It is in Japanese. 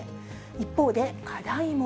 一方で課題も。